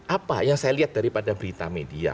apa yang saya lihat daripada berita media